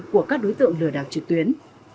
của các đối tượng lừa đảo trực tuyến